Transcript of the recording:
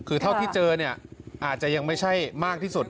คือเท่าที่เจอเนี่ยอาจจะยังไม่ใช่มากที่สุด